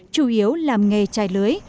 chủ yếu làm nghề chai lưới